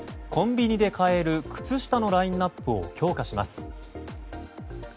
コンビニで買える靴下のラインアップを強化します。